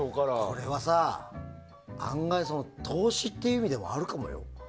これはさ、案外投資っていう意味ではありかもよ。